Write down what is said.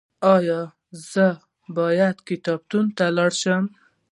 ایا زه باید کتابتون ته لاړ شم؟